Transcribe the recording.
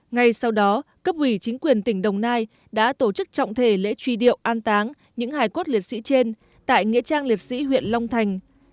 ngay sau đó cấp ủy chính quyền tỉnh đồng nai đã tổ chức trọng thể lễ truy điệu an táng những hài cốt liệt sĩ trên tại nghĩa trang liệt sĩ huyện long thành